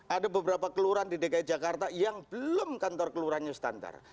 ada beberapa kelurahan di dki jakarta yang belum kantor kelurahannya standar